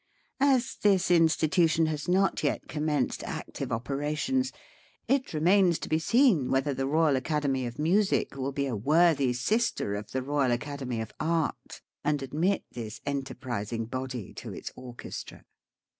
As tli is Institution has not yet commenced active operations, it remains to be seen whether the Royal Academy of Music will be a worthy sister of the Eoyal Academy of Art, and admit this enterprising body to its orchestra.